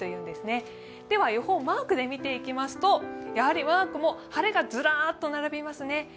では予報をマークで見ていきますとやはりマークも晴れがずらーっと並びますね。